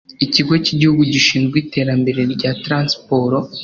ikigo cy'igihugu gishinzwe iterambere rya transiporo